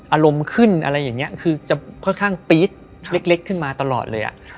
อารมณ์ขึ้นอะไรอย่างนี้คือจะค่อนข้างปี๊ดเล็กขึ้นมาตลอดเลย